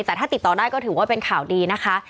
แต่ถ้าติดต่อได้ก็ถือว่าเป็นข่าวดีนะคะ